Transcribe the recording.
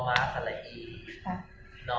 อันนี้สิครับ